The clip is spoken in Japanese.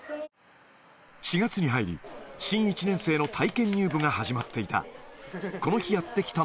４月に入り、新１年生の体験入部が始まっていた。